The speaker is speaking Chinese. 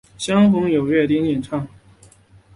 相逢有乐町演唱。